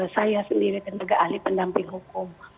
saya sendiri tenaga ahli pendamping hukum